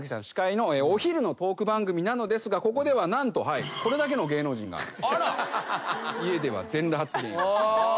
司会のお昼のトーク番組なのですがここでは何とこれだけの芸能人が家では全裸発言。